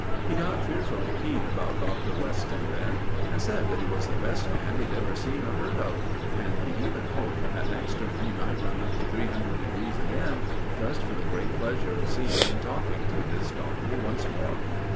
He got fearfully keen about Dr. Weston then, and said that he was the best man he had ever seen or heard of; and he even hoped that next term he might run up to three hundred degrees again just for the great pleasure of seeing and talking to this doctor once more.